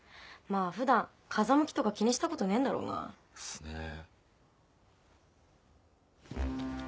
まぁ普段風向きとか気にしたことねえんだろうな。っすね。